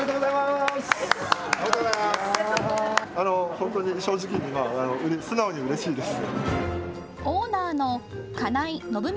本当に正直に今素直にうれしいです。